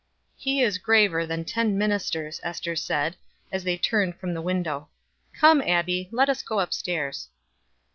"He is graver than ten ministers," Ester said, as they turned from the window. "Come, Abbie, let us go up stairs."